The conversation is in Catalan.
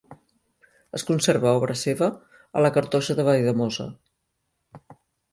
Es conserva obra seva a la cartoixa de Valldemossa.